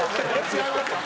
違いますよ。